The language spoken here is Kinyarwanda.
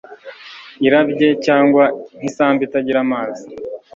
irabye, cyangwa nk'isambu itagira amazi